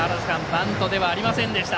バントではありませんでした。